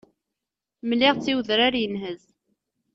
Mliɣ-tt i udrar inhez.